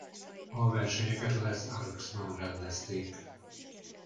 A versenyeket Les Arcs-ban rendezték.